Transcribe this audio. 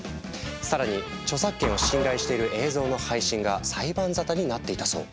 更に著作権を侵害している映像の配信が裁判沙汰になっていたそう。